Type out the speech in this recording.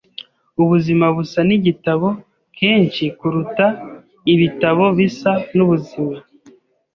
Ubuzima busa nigitabo kenshi kuruta ibitabo bisa nubuzima.